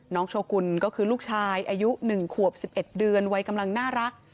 โชกุลก็คือลูกชายอายุ๑ขวบ๑๑เดือนวัยกำลังน่ารัก